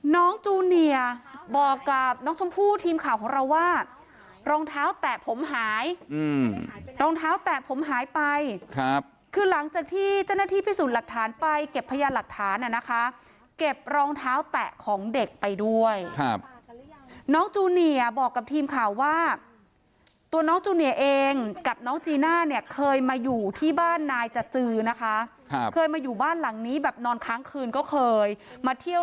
จูเนียบอกกับน้องชมพู่ทีมข่าวของเราว่ารองเท้าแตะผมหายรองเท้าแตะผมหายไปครับคือหลังจากที่เจ้าหน้าที่พิสูจน์หลักฐานไปเก็บพยานหลักฐานอ่ะนะคะเก็บรองเท้าแตะของเด็กไปด้วยครับน้องจูเนียบอกกับทีมข่าวว่าตัวน้องจูเนียเองกับน้องจีน่าเนี่ยเคยมาอยู่ที่บ้านนายจจือนะคะเคยมาอยู่บ้านหลังนี้แบบนอนค้างคืนก็เคยมาเที่ยว